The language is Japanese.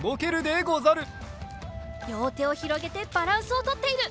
りょうてをひろげてバランスをとっている！